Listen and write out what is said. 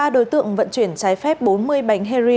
ba đối tượng vận chuyển trái phép bốn mươi bánh heroin